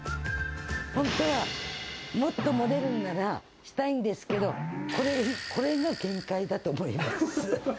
本当はもっと盛れるんならしたいんですけど、これが限界だと思います。